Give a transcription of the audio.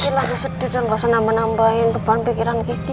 yelah sedih dan gausah nambah nambahin depan pikiran geki